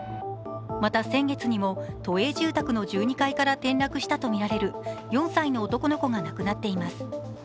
また先月にも、都営住宅の１２階から転落したとみられる４歳の男の子が亡くなっています。